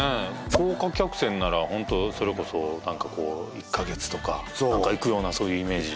豪華客船ならホントそれこそ何かこう１カ月とかそう行くようなそういうイメージ